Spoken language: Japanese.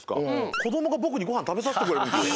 こどもがぼくにごはんたべさせてくれるんですよ。